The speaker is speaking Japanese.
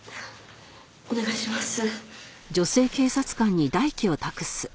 お願いします。